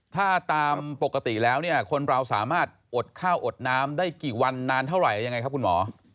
ถ้าตามปกติแล้วเนี่ยคนเราสามารถอดข้าวอดน้ำได้กี่วันนานเท่าไหร่ยังไงครับคุณหมอ